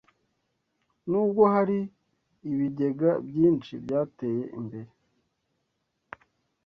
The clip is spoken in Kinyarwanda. Nubwo hari ibigega byinshi byateye imbere